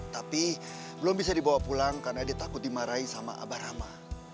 tapi belum bisa dibawa pulang karena dia takut dimarahi sama abah rama